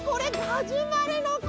ガジュマルのき！